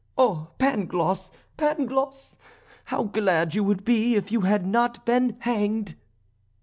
Oh, Pangloss! Pangloss! how glad you would be if you had not been hanged!"